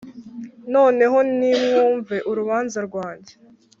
Noneho nimwumve urubanza rwanjye